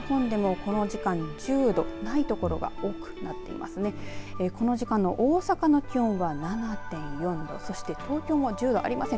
この時間の大阪の気温は７．４度そして東京も１０度ありません。